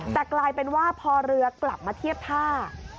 แต่กลายเป็นว่าพอเรือกลับมาเทียบท่า